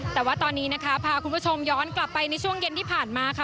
แต่ว่าตอนนี้นะคะพาคุณผู้ชมย้อนกลับไปในช่วงเย็นที่ผ่านมาค่ะ